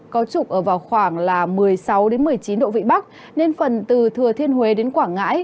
có trục ở vào khoảng một mươi sáu một mươi chín độ vị bắc nên phần từ thừa thiên huế đến quảng ngãi